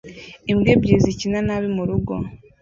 Imbwa ebyiri zikina nabi murugo